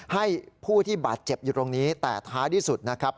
ให้ผู้ที่บาดเจ็บอยู่ตรงนี้แต่ท้ายที่สุดนะครับ